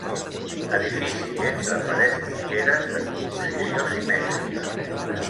Edifici entre parets mitgeres, de composició simètrica.